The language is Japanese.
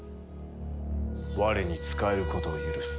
我に仕えることを許す。